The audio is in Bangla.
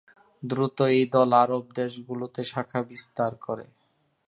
দ্রুত এই দল আরব দেশগুলোতে শাখা বিস্তার করে।